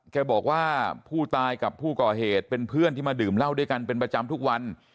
แกบอกว่าผู้ตายกับผู้ก่อเหตุเป็นเพื่อนที่มาดื่มเหล้าด้วยกันเป็นประจำทุกวัน